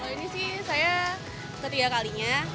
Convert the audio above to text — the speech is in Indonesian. ini sih saya ketiga kalinya